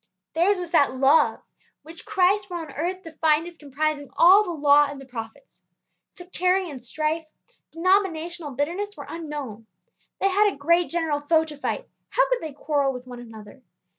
Theirs was that love which Christ when on earth defined as comprising all the law and the prophets. Sectarian strife, denominational bitterness, were unknown. They had a great general foe to fight, how could they quarrel with one another.